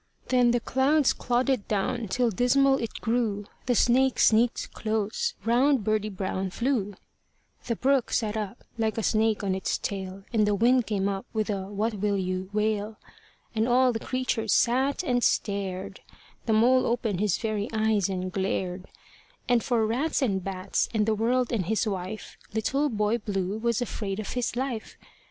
Then the clouds clodded down till dismal it grew; The snake sneaked close; round Birdie Brown flew; The brook sat up like a snake on its tail; And the wind came up with a what will you wail; And all the creatures sat and stared; The mole opened his very eyes and glared; And for rats and bats and the world and his wife, Little Boy Blue was afraid of his life.